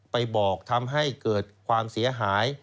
ไปบอกทำให้เกิดความเสียหาย